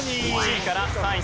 １位から３位。